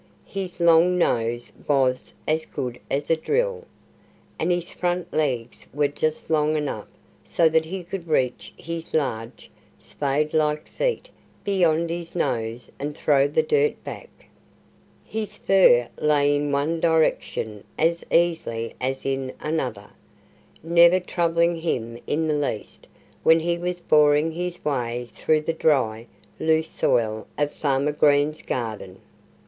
His long nose was as good as a drill. And his front legs were just long enough so that he could reach his large, spade like feet beyond his nose and throw the dirt back. His fur lay in one direction as easily as in another, never troubling him in the least when he was boring his way through the dry, loose soil of Farmer Green's garden.